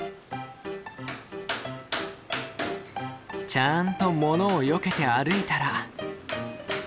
ちゃんと物をよけて歩いたら。